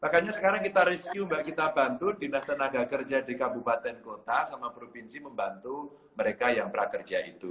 makanya sekarang kita rescue mbak kita bantu dinas tenaga kerja di kabupaten kota sama provinsi membantu mereka yang prakerja itu